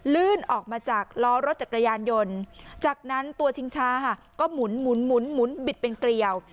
ลื่นออกมาจากล้อรถจักรยานยนต์จากนั้นตัวชิงชาก็หมุนบิดเป็นเกลียว